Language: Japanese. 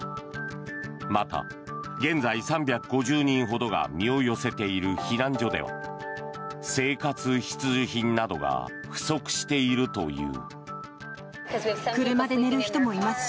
また、現在３５０人ほどが身を寄せている避難所では生活必需品などが不足しているという。